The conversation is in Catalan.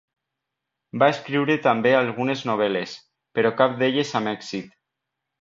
Va escriure també algunes novel·les, però cap d'elles amb èxit.